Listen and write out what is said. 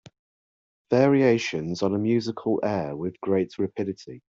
Variations on a musical air With great rapidity.